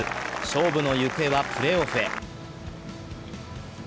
勝負の行方はプレーオフへ。